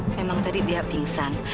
memang tadi dia pingsan